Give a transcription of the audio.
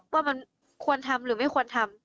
ว่ามันควรทำหรือไม่ควรทำ